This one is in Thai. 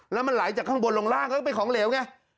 แล้วมันไหลจากข้างบนลงล่างก็เป็นของเหลวไง